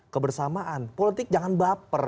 kebersamaan politik jangan baper